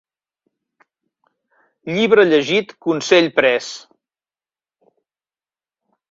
Llibre llegit, consell pres.